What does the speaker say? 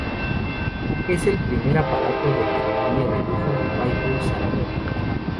Es el primer aparato de la familia de lujo Piper Saratoga.